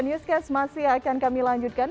newscast masih akan kami lanjutkan